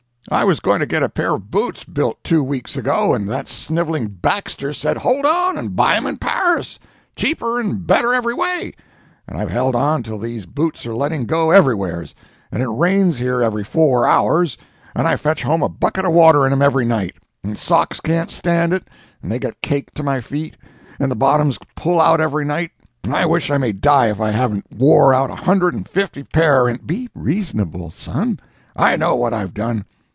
I was going to get a pair of boots built two weeks ago, and that snivelling Baxter said hold on and buy 'em in Paris—cheaper and better every way—and I've held on till these boots are letting go everywheres, and it rains here every four hours, and I fetch home a bucket of water in 'em every night, and socks can't stand it, and they get caked to my feet, and the bottoms pull out every night, and I wish I may die if I haven't wore out a hundred and fifty pair in—" "Be reasonable, son." "I know what I've done.